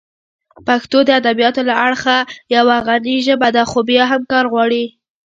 پښتو د ادبیاتو له اړخه یوه غني ژبه ده، خو بیا هم کار غواړي.